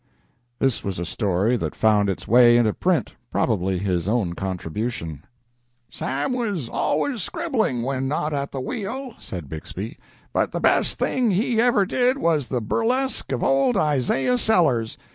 This was a story that found its way into print, probably his own contribution. "Sam was always scribbling when not at the wheel," said Bixby, "but the best thing he ever did was the burlesque of old Isaiah Sellers.